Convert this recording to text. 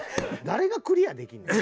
誰がクリアできんねん。